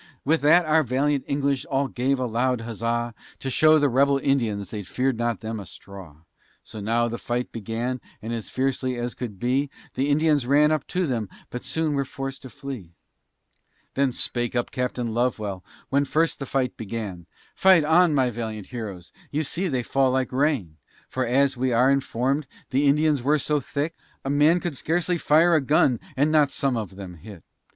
With that our valiant English all gave a loud huzza, To show the rebel Indians they fear'd them not a straw: So now the fight began, and as fiercely as could be, The Indians ran up to them, but soon were forced to flee. Then spake up Captain Lovewell, when first the fight began: "Fight on, my valiant heroes! you see they fall like rain." For as we are inform'd, the Indians were so thick A man could scarcely fire a gun and not some of them hit.